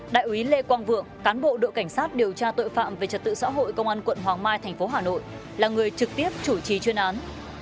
đại úy lê quang vượng cán bộ đội cảnh sát điều tra tội phạm về trật tự xã hội công an quận hoàng mai tp hà nội là người trực tiếp chủ trì chuyên án